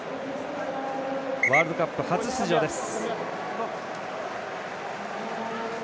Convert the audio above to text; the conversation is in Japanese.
ワールドカップ初出場です。